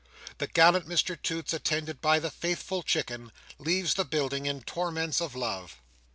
The gallant Mr Toots, attended by the faithful Chicken, leaves the building in torments of love.